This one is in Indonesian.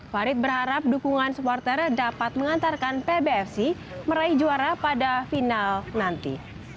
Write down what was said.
farid berharap dukungan supporter dapat mengantarkan pbfc meraih juara pada final nanti